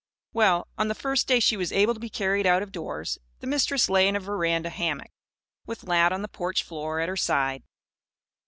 Well, on the first day she was able to be carried out of doors, the Mistress lay in a veranda hammock, with Lad on the porch floor at her side.